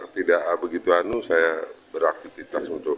tidak begitu anu saya beraktivitas untuk